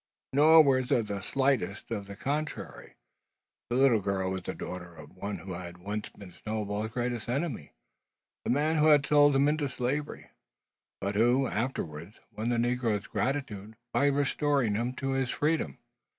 Nor was there the slightest. On the contrary, the little girl was the daughter of one who had once been Snowball's greatest enemy, the man who had sold him into slavery; but who had afterwards won the negro's gratitude by restoring to him his freedom.